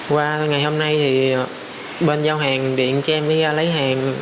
qua ngày hôm nay thì bên giao hàng điện cho em đi lấy hàng